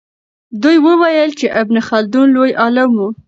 دوی وویل چې ابن خلدون لوی عالم و.